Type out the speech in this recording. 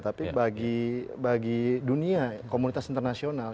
tapi bagi dunia komunitas internasional